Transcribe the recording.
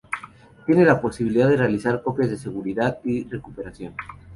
Tiene la posibilidad de realizar copias de seguridad y recuperación.